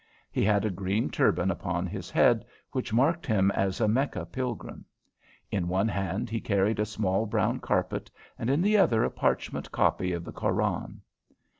He had a green turban upon his head, which marked him as a Mecca pilgrim. In one hand he carried a small brown carpet, and in the other a parchment copy of the Koran.